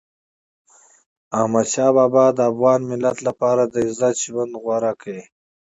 احمدشاه بابا د افغان ملت لپاره د عزت ژوند غوره کړ.